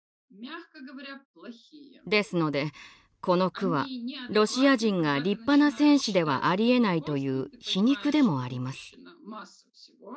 ですのでこの句はロシア人が立派な戦士ではありえないという皮肉でもあります。